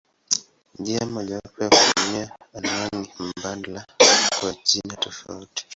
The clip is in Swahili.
Njia mojawapo ni kutumia anwani mbadala kwa jina tofauti.